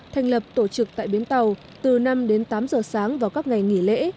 thành lập tổ trực tại biến tàu từ năm đến tám giờ sáng vào các ngày nghỉ lễ